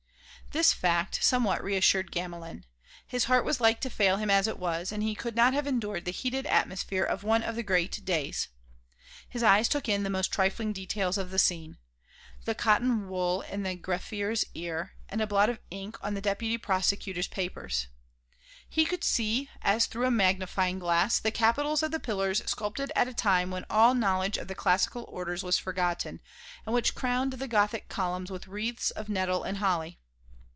This fact somewhat reassured Gamelin; his heart was like to fail him as it was, and he could not have endured the heated atmosphere of one of the great days. His eyes took in the most trifling details of the scene, the cotton wool in the greffier's ear and a blot of ink on the Deputy Prosecutor's papers. He could see, as through a magnifying glass, the capitals of the pillars sculptured at a time when all knowledge of the classical orders was forgotten and which crowned the Gothic columns with wreaths of nettle and holly.